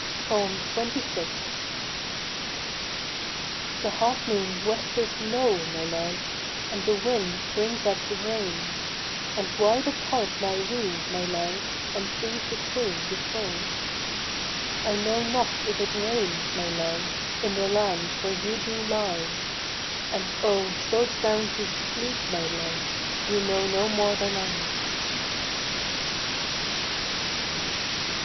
XXVI. The half moon westers low, my love, And the wind brings up the rain; And wide apart lie we, my love, And seas between the twain. I know not if it rains, my love, In the land where you do lie; And oh, so sound you sleep, my love, You know no more than I.